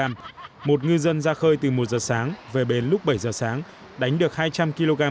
một ngư dân ra khơi từ một giờ sáng về bến lúc bảy giờ sáng đánh được hai trăm linh kg